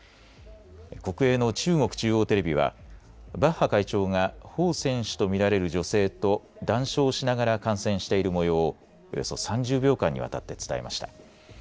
国営の中国中央テレビはバッハ会長が彭選手と見られる女性と談笑しながら観戦している模様をおよそ３０秒間にわたって伝えました。